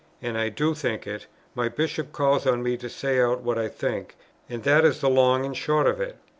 and I do think it; my Bishop calls on me to say out what I think; and that is the long and the short of it."